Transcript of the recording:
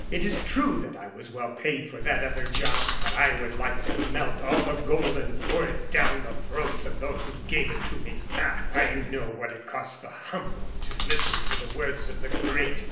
It is true that I was well paid for that other job; but I would like to melt all the gold and pour it down the throats of those who gave it to me. "Ah! I know what it costs the humble to listen to the words of the great!